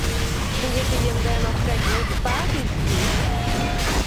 Hoe witte jim dêr no krekt goed it paad yn te finen?